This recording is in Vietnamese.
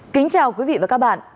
kính chào quý vị và các bạn